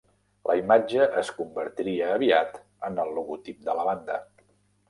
La imatge es convertiria aviat en el logotip de la banda.